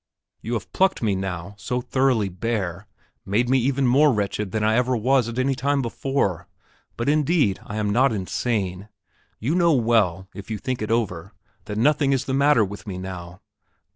You have plucked me now so thoroughly bare, made me even more wretched than I ever was at any time before; but, indeed, I am not insane. You know well, if you think it over, that nothing is the matter with me now.